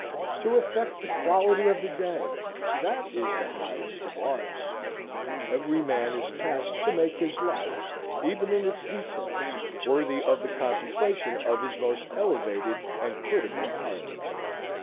To affect the quality of the day, that is the highest of arts. Every man is tasked to make his life, even in its details, worthy of the contemplation of his most elevated and critical hour.